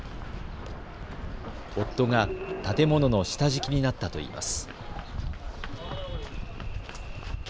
夫が建物の下敷きになったといいます。